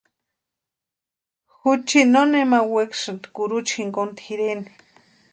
Juchini no nema wekasïnti kurucha jinkoni tʼireni.